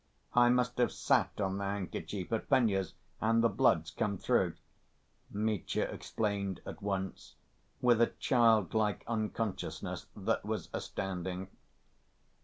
I must have sat on the handkerchief at Fenya's, and the blood's come through," Mitya explained at once with a childlike unconsciousness that was astounding.